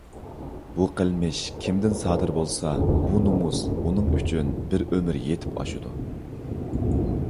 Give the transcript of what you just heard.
بۇ قىلمىش كىمدىن سادىر بولسا بۇ نومۇس ئۇنىڭ ئۈچۈن بىر ئۆمۈر يېتىپ ئاشىدۇ.